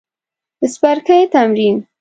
د څپرکي تمرین